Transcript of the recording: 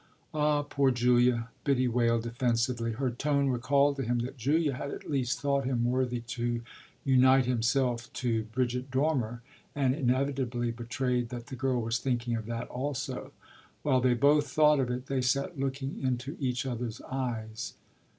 "Ah poor Julia!" Biddy wailed defensively. Her tone recalled to him that Julia had at least thought him worthy to unite himself to Bridget Dormer, and inevitably betrayed that the girl was thinking of that also. While they both thought of it they sat looking into each other's eyes.